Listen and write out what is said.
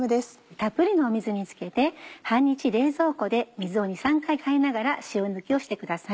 たっぷりの水に漬けて半日冷蔵庫で水を２３回変えながら塩抜きをしてください。